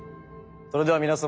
それでは皆様